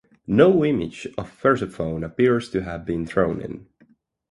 No image of Persephone appears to have been thrown in.